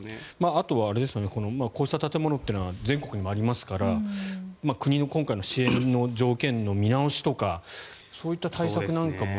あとはこうした建物というのは全国にもありますから国の今回の支援の条件の見直しとかそういった対策なんかも。